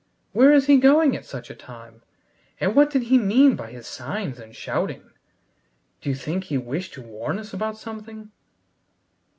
"Where is he going at such a time, and what did he mean by his signs and shouting? D'you think he wished to warn us about something?"